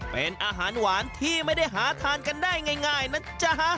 เป็นอาหารหวานที่ไม่ได้หาทานกันได้ง่ายนะจ๊ะ